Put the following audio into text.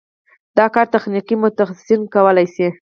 دا کار تخنیکي متخصصین کولی شي.